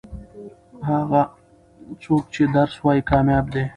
هغه څوک چې درس وايي کامياب دي.